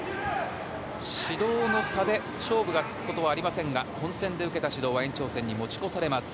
指導の差で勝負がつくことはありませんが本戦で受けた指導は延長戦に持ち越されます。